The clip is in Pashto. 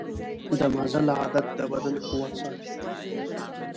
د مزل عادت د بدن قوت ساتي.